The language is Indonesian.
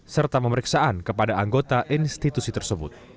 serta pemeriksaan kepada anggota institusi tersebut